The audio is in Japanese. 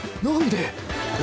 何で？